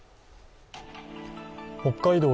北海道・